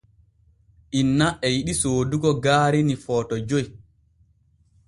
Inna e yiɗi soodugo gaari ni Footo joy.